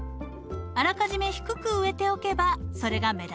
あらかじめ低く植えておけばそれが目立ちません。